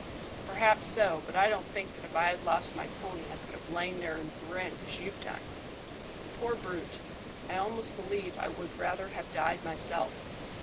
"Perhaps so, but I don't think that if I had lost my pony I could have lain there and grinned as you've done. Poor brute! I almost believe I would rather have died myself."